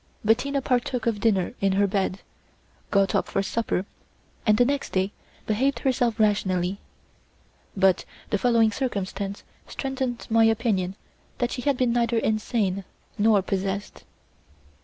Bettina partook of dinner in her bed, got up for supper, and the next day behaved herself rationally; but the following circumstance strengthened my opinion that she had been neither insane nor possessed.